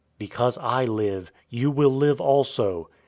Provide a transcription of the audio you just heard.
Because I live, you will live also.